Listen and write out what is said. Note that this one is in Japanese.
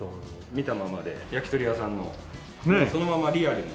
見たままで焼き鳥屋さんのそのままリアルに。